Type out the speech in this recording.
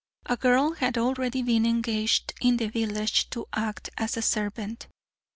A girl had already been engaged in the village to act as servant.